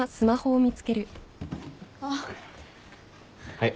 はい。